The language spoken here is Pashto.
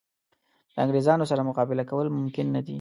د انګرېزانو سره مقابله کول ممکن نه دي.